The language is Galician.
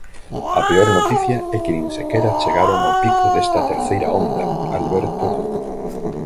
A peor noticia é que nin sequera chegaron ao pico desta terceira onda, Alberto...